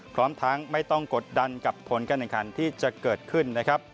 พร้อมทั้งไม่ต้องกดดันกับผลกันกันที่จะเกิดขึ้น